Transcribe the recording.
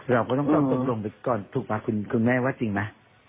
เราก็ต้องต้องตรงก่อนถูกปะคุณแม่ว่าอาจริงป่ะ